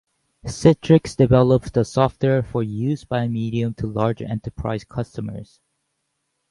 Citrix developed the software for use by medium to large enterprise customers.